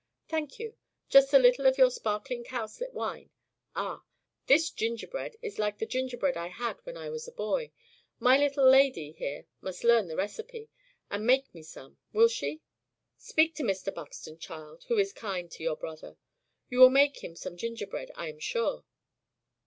Thank you, just a little of your sparkling cowslip wine. Ah! this gingerbread is like the gingerbread I had when I was a boy. My little lady here must learn the receipt, and make me some. Will she?" "Speak to Mr. Buxton, child, who is kind to your brother. You will make him some gingerbread, I am sure."